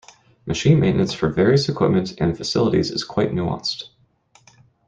Machine maintenance for various equipment and facilities is quite nuanced.